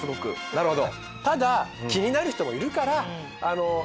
なるほど。